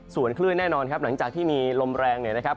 ส่วนคลื่นแน่นอนครับหลังจากที่มีลมแรงเนี่ยนะครับ